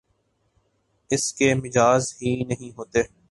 اس کے مجاز ہی نہیں ہوتے